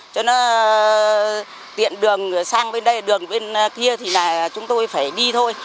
cho nó tiện đường sang bên đây đường bên kia thì là chúng tôi phải đi thôi